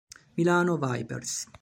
Milano Vipers.